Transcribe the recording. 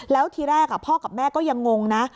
แล้วทีแรกพ่อกับแม่ก็ยังงงนะ